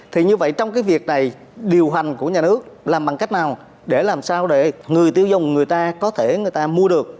thì như vậy trong cái việc này điều hành của nhà nước làm bằng cách nào để làm sao để người tiêu dùng người ta có thể người ta mua được